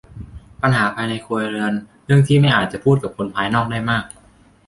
ปัญหาภายในครัวเรือนเรื่องที่ไม่อาจจะพูดกับคนภายนอกได้มาก